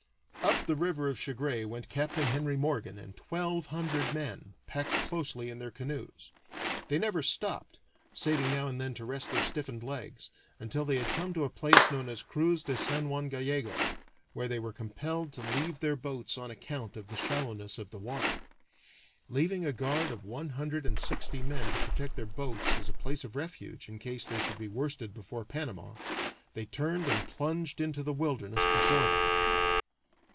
Up the river of Chagres went Capt. Henry Morgan and twelve hundred men, packed closely in their canoes; they never stopped, saving now and then to rest their stiffened legs, until they had come to a place known as Cruz de San Juan Gallego, where they were compelled to leave their boats on account of the shallowness of the water. Leaving a guard of one hundred and sixty men to protect their boats as a place of refuge in case they should be worsted before Panama, they turned and plunged into the wilderness before them.